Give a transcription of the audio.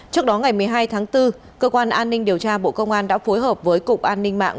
trước đó ngày một mươi hai tháng bốn cơ quan an ninh điều tra bộ công an đã phối hợp với cục an ninh mạng